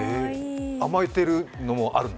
甘えてるのもあるんだ。